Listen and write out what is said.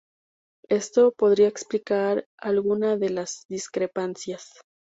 Esto podría explicar alguna de las discrepancias.